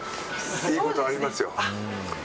いいことありますよ。